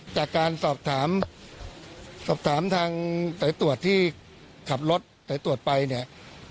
จากการสอบถามทางไตรตรวจที่ขับรถไตรตรวจไปเนี่ย